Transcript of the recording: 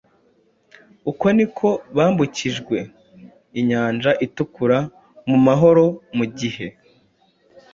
uko ni ko bambukijwe inyanja itukura mu mahoro mu gihe